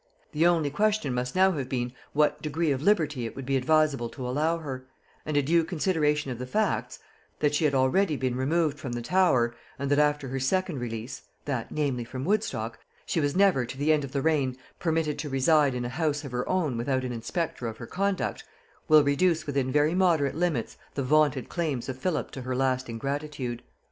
The only question must now have been, what degree of liberty it would be advisable to allow her; and a due consideration of the facts, that she had already been removed from the Tower, and that after her second release, (that, namely, from Woodstock), she was never, to the end of the reign, permitted to reside in a house of her own without an inspector of her conduct, will reduce within very moderate limits the vaunted claims of Philip to her lasting gratitude.